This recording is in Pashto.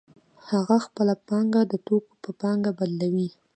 هغه خپله پانګه د توکو په پانګه بدلوي